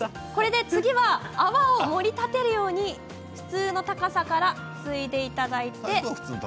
次は泡を立てるように普通の高さからついでいただいて。